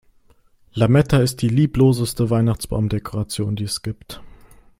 Lametta ist die liebloseste Weihnachtsbaumdekoration, die es gibt.